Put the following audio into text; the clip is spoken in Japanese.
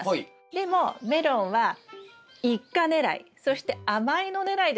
でもメロンは一果狙いそして甘いの狙いでしたよね。